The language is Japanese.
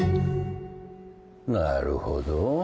なるほど。